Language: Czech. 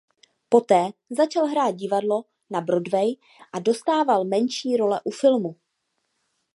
Poté začal hrát divadlo na Broadway a dostával menší role u filmu.